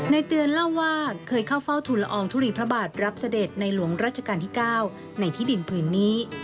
เตือนเล่าว่าเคยเข้าเฝ้าทุนละอองทุลีพระบาทรับเสด็จในหลวงรัชกาลที่๙ในที่ดินผืนนี้